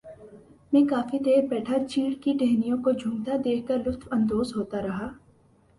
میں کافی دیر بیٹھا چیڑ کی ٹہنیوں کو جھومتا دیکھ کر لطف اندوز ہوتا رہا